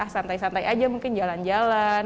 santai santai aja mungkin jalan jalan